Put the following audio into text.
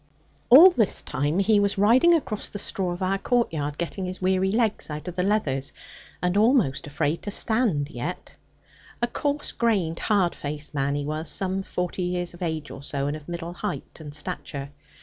All this time he was riding across the straw of our courtyard, getting his weary legs out of the leathers, and almost afraid to stand yet. A coarse grained, hard faced man he was, some forty years of age or so, and of middle height and stature.